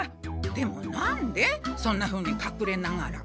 でもなんでそんなふうにかくれながら？